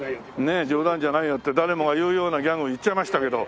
ねえ冗談じゃないよって誰もが言うようなギャグを言っちゃいましたけど。